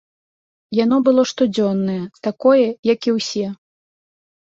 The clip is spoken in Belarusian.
Яно было штодзённае, такое, як і ўсе.